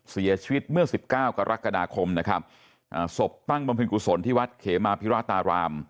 เสียชีวิตเมื่อสิบเก้ากรกฎาคมนะครับอ่าศพตั้งบำเพ็ญกุศลที่วัดเขมาพิราตาราม